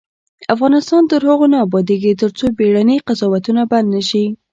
افغانستان تر هغو نه ابادیږي، ترڅو بیړني قضاوتونه بند نشي.